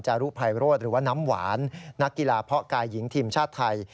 รุภัยโรธหรือว่าน้ำหวานนักกีฬาเพาะกายหญิงทีมชาติไทย